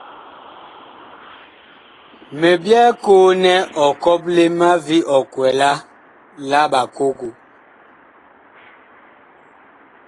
Mi byɛɛ koo nɛ ɔ kɔple má vi ɔkwɛlaa la bakogo.